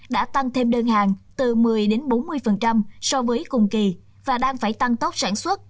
đã tăng thêm đơn hàng từ một mươi bốn mươi so với cùng kỳ và đang phải tăng tốc sản xuất